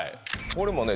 これもね